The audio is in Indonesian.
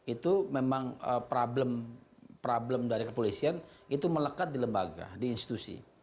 itu memang problem dari kepolisian itu melekat di lembaga di institusi